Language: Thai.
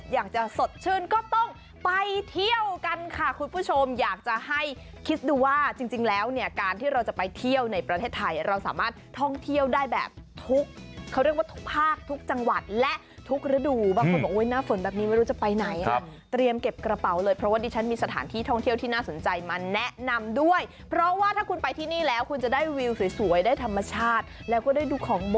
อยากจะสดชื่นก็ต้องไปเที่ยวกันค่ะคุณผู้ชมอยากจะให้คิดดูว่าจริงแล้วเนี่ยการที่เราจะไปเที่ยวในประเทศไทยเราสามารถท่องเที่ยวได้แบบทุกเขาเรียกว่าทุกภาคทุกจังหวัดและทุกระดูกว่าน่าเฝินแบบนี้ไม่รู้จะไปไหนครับเตรียมเก็บกระเป๋าเลยเพราะว่าดิฉันมีสถานที่ท่องเที่ยวที่น่าสนใจมาแนะนำด้